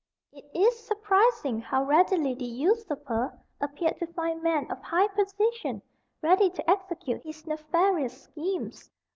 It is surprising how readily the usurper appeared to find men of high position ready to execute his nefarious schemes.